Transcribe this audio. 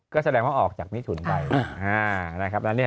ก็แสดงว่าออกจากมิทุนไป